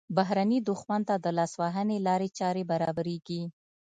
بهرني دښمن ته د لاسوهنې لارې چارې برابریږي.